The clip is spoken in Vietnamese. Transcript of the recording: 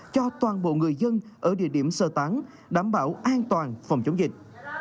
cho toàn bộ người dân ở địa điểm sơ tán đảm bảo an toàn phòng chống dịch